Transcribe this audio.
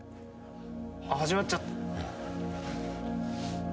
始まっちゃった。